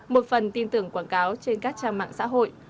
một phần tin tưởng quảng cáo trên các trang mạng xã hội